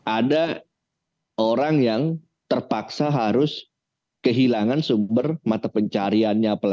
ada orang yang terpaksa harus kehilangan sumber mata pencariannya